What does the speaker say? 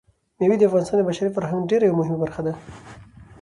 مېوې د افغانستان د بشري فرهنګ یوه ډېره مهمه برخه ده.